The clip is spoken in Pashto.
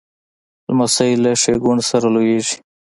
لمسی له ښېګڼو سره لویېږي.